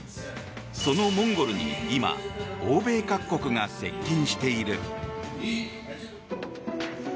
そのモンゴルに今、欧米各国が接近している。